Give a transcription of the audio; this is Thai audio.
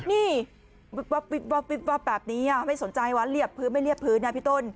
นี่แบบนี้อ่ะไม่สนใจวะเรียบพื้นไม่เรียบพื้นน่ะพี่ต้น